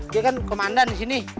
dia kan komandan disini